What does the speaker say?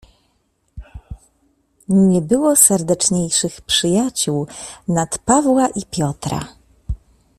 "Nie było serdeczniejszych przyjaciół nad Pawła i Piotra."